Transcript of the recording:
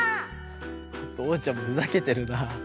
ちょっとおうちゃんもふざけてるなあ。